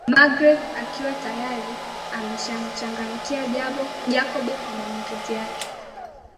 Magreth akiwa tayari ameshamchangamkia Jacob kwa maongezi yake